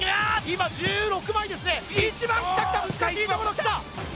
今１６枚ですね１番きたきた難しいところきた